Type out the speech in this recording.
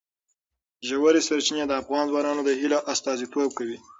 ژورې سرچینې د افغان ځوانانو د هیلو استازیتوب کوي.